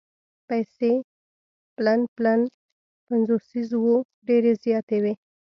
پیسې پلن پلن پنځوسیز وو ډېرې زیاتې وې.